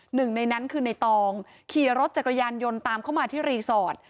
หนึ่งในนั้นคือในตองขี่รถจักรยานยนต์ตามเข้ามาที่รีสอร์ท